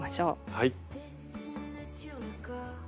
はい。